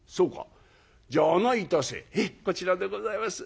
「ええこちらでございます。